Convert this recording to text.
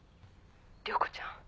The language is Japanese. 涼子ちゃん。